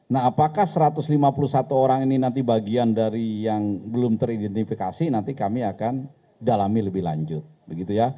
nah apakah satu ratus lima puluh satu orang ini nanti bagian dari yang belum teridentifikasi nanti kami akan dalami lebih lanjut begitu ya